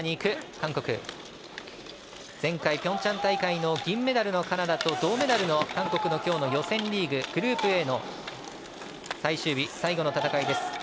前回ピョンチャン大会銀メダルのカナダと銅メダルの韓国のきょうの予選リーググループＡの最終日最後の戦いです。